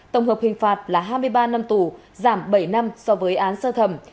tổng hợp hình phạt là hai mươi ba năm tù giảm bảy năm so với án sơ thẩm